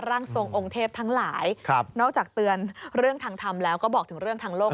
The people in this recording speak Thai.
ร่างทรงองค์เทพทั้งหลายนอกจากเตือนเรื่องทางธรรมแล้วก็บอกถึงเรื่องทางโลก